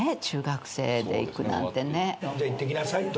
じゃあ行ってきなさいと。